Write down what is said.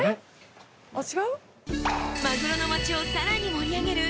［マグロの町をさらに盛り上げる］